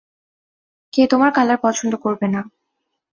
কে তোমার কালার পছন্দ করবে না?